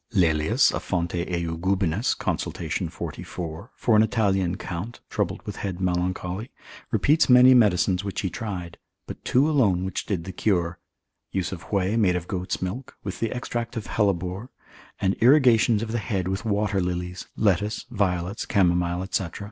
Laelius a Fonte Eugubinus consult. 44, for an Italian count, troubled with head melancholy, repeats many medicines which he tried, but two alone which did the cure; use of whey made of goat's milk, with the extract of hellebore, and irrigations of the head with water lilies, lettuce, violets, camomile, &c.